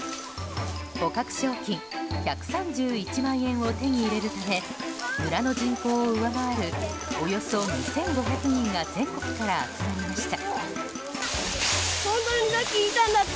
捕獲賞金１３１万円を手に入れるため村の人口を上回るおよそ２５００人が全国から集まりました。